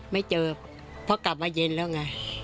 ไม่เจอเพราะกลับมาเย็นแล้วไง